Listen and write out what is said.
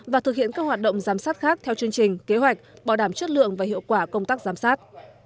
và thực hiện các hoạt động giám sát khác theo chương trình kế hoạch bảo đảm chất lượng và hiệu quả công tác giám sát